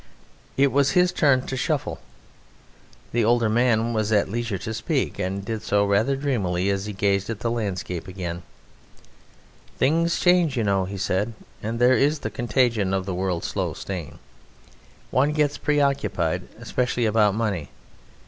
It was his turn to shuffle. The older man was at leisure to speak, and did so rather dreamily as he gazed at the landscape again. "Things change, you know," he said, "and there is the contagion of the world's slow stain. One gets preoccupied: especially about money.